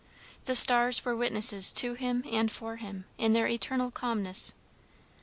The stars were witnesses to him and for him, in their eternal calmness.